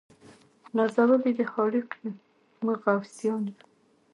نازولي د خالق یو موږ غوثان یو